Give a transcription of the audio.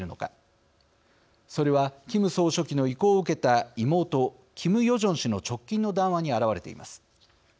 それはキム総書記の意向を受けた妹キム・ヨジョン氏の直近の談話に表れています。